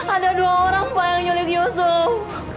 ada dua orang pak yang nyulik yusuf